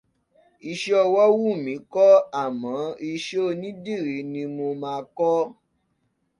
Iṣẹ́ ọwọ́ wùn mí kọ́ àmọ́ iṣẹ́ onídìrí ni mo máa kọ́